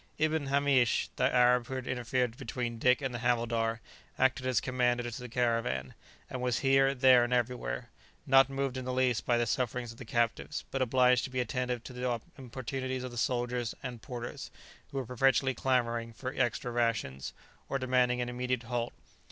Ibn Hamish, the Arab who had interfered between Dick and the havildar, acted as commander to the caravan, and was here, there, and everywhere; not moved in the least by the sufferings of the captives, but obliged to be attentive to the importunities of the soldiers and porters, who were perpetually clamouring for extra rations, or demanding an immediate halt.